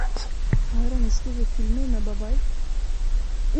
— Айран эскегеҙ килмәйме, бабай?